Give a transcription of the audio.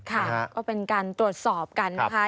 ค่ะก็เป็นการตรวจสอบกันนะคะ